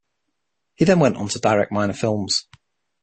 He then went on to direct minor films.